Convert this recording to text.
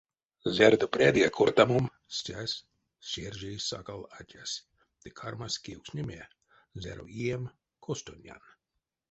Зярдо прядыя кортамом, стясь шержей сакал атясь ды кармась кевкстнеме: зяро ием, костонян.